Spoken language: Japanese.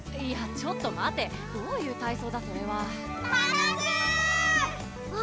ちょっと待てどういう体操だそれはまなつ！